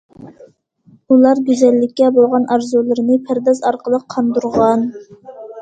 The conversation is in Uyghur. ئۇلار گۈزەللىككە بولغان ئارزۇلىرىنى پەرداز ئارقىلىق قاندۇرغان.